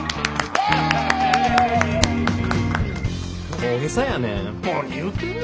大げさやねん。